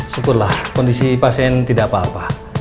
syukurlah kondisi pasien tidak apa apa